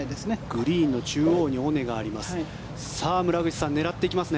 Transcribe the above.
グリーンの中央に尾根があります。